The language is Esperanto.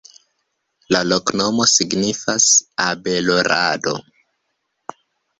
La loknomo signifas: abelo-rado.